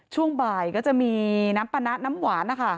ช่วงบ่ายก็จะมีน้ำปะนะน้ำหวานนะคะ